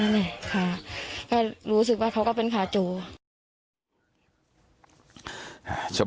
อายุ๑๐ปีนะฮะเขาบอกว่าเขาก็เห็นถูกยิงนะครับ